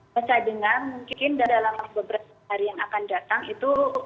saya dengar mungkin dalam beberapa hari yang akan datang itu